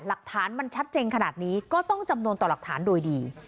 หลักฐานมันชัดเจนขนาดนี้ก็ต้องจำนวนต่อหลักฐานโดยดี